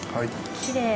きれい。